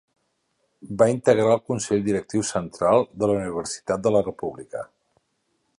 Va integrar el Consell Directiu Central de la Universitat de la República.